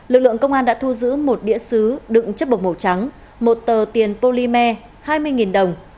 lực lượng công an đã thu giữ một địa sứ đựng chất bộc màu trắng một tờ tiền polymer hai mươi đồng